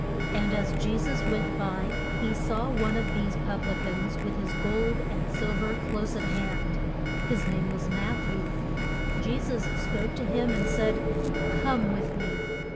And as Je sus went by he saw one of these pub li cans with his gold and sil ver close at hand. His name was Matth ew. Je sus spoke to him, and said, Come with me.